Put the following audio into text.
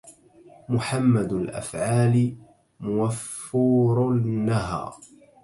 محمد الأفعال موفور النهى